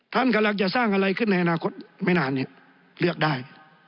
ท่านกำลังจะสร้างอะไรขึ้นในอนาคตไม่นานเนี่ยเลือกได้